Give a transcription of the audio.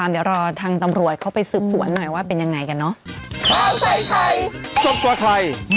เดี๋ยวรอทางตำรวจเขาไปสืบสวนหน่อยว่าเป็นยังไงกันเนอะ